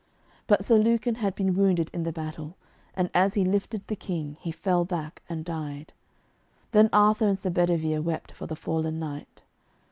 But Sir Lucan had been wounded in the battle, and as he lifted the King he fell back and died. Then Arthur and Sir Bedivere wept for the fallen knight.